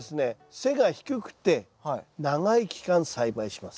背が低くて長い期間栽培します。